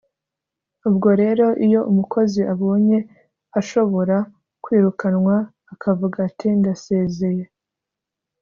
ubwo rero iyo umukozi abonye ashobora kwirukanwa akavuga ati ndasezeye